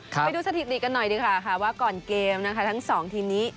ไปดูสถิติกันหน่อยดีกว่าค่ะว่าก่อนเกมนะคะทั้งสองทีมนี้